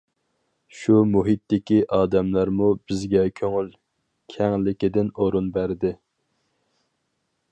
شۇ مۇھىتتىكى ئادەملەرمۇ بىزگە كۆڭۈل كەڭلىكىدىن ئورۇن بەردى.